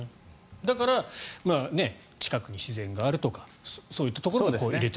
だから近くに自然があるとかそういったところが。